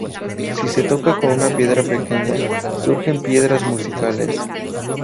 Si se toca con una piedra pequeña, surgen piedras musicales.